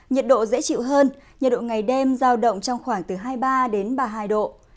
nhiệt độ dễ chịu hơn nhiệt độ ngày đêm giao động trong khoảng từ hai mươi ba đến ba mươi hai độ